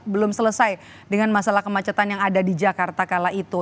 belum selesai dengan masalah kemacetan yang ada di jakarta kala itu